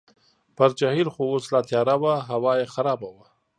پر جهیل خو اوس لا تیاره وه، هوا یې خرابه وه.